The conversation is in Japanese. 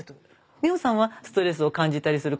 美穂さんはストレスを感じたりすることってある？